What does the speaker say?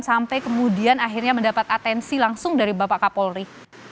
sampai kemudian akhirnya mendapat atensi langsung dari bapak kapolri